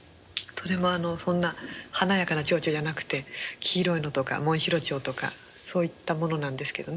それもそんな華やかな蝶々じゃなくて黄色いのとかモンシロチョウとかそういったものなんですけどね。